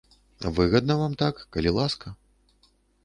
Выгадна вам так, калі ласка.